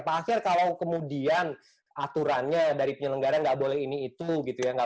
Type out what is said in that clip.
pak akhir kalau kemudian aturannya dari penyelenggara nggak boleh ini itu gitu ya